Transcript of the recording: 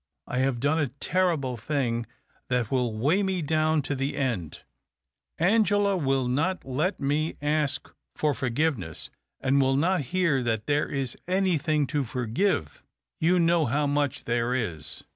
I have done a terrible thing that will weigh me down to the end. Ano; ela will not let me ask for THE OCTAVE OF CLAUDIUS. 299 forgiveness, and will not bear that there is anything to forgive. You know how^ much there is."